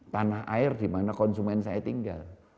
tanah air di mana konsumen saya tinggal